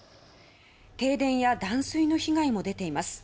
停電や断水の被害も出ています。